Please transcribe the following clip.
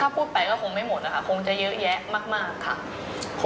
ถ้าพูดไปก็คงไม่หมดนะคะคงจะเยอะแยะมากค่ะ